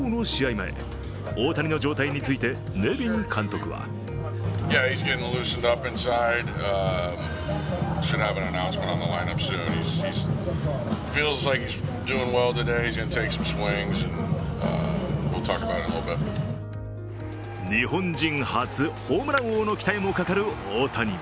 前、大谷の状態についてネビン監督は日本人初、ホームラン王の期待もかかる大谷。